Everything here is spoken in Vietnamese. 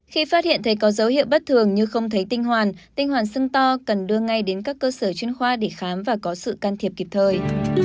khi phát hiện thấy có dấu hiệu bất thường như không thấy tinh hoàn tinh hoàn sưng to cần đưa ngay đến các cơ sở chuyên khoa để khám và có sự can thiệp kịp thời